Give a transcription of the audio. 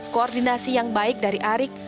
koordinasi yang baik dari arik